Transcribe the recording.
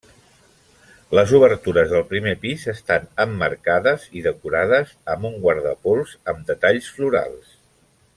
Les obertures del primer pis estan emmarcades i decorades amb un guardapols amb detalls florals.